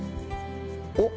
おっ！